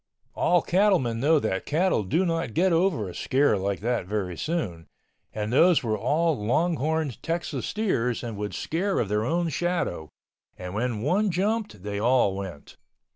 All cattlemen know that cattle do not get over a scare like that very soon, and those were all longhorned Texas steers and would scare of their own shadow, and when one jumped they all went.